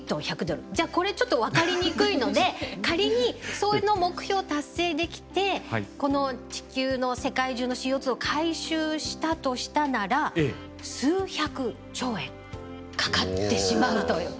じゃあこれちょっと分かりにくいので仮にその目標を達成できてこの地球の世界中のＣＯを回収したとしたなら数百兆円かかってしまうという。